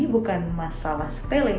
ini bukan masalah sepele